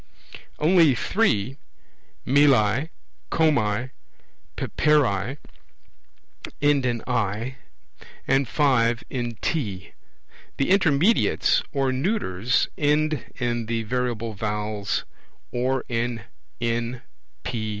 Only three (meli, kommi, peperi) end in I, and five in T. The intermediates, or neuters, end in the variable vowels or in N, P, X.